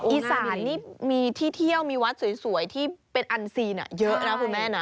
อีสานนี่มีที่เที่ยวมีวัดสวยที่เป็นอันซีนเยอะนะคุณแม่นะ